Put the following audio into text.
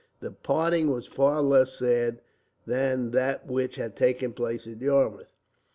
The parting was far less sad than that which had taken place at Yarmouth.